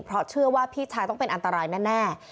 เพราะเชื่อว่าพี่ชายต้องเป็นอันตรายแน่